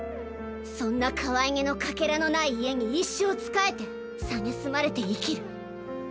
そんなかわいげのかけらのない家に一生仕えて蔑まれて生きる。